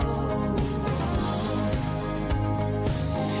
โอ้โห